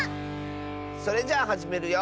それじゃあはじめるよ。